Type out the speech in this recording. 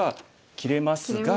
切れますね。